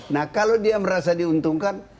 nah kalau dia merasa diuntungkan